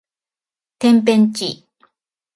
てんぺんちい